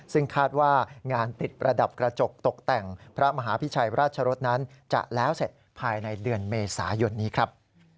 ซึ่งคาดว่างานติดประดับกระจกตกแต่งพระมหาพิชัยราชรสนั้นจะแล้วเสร็จภายในเดือนเมษายนนี้ครับ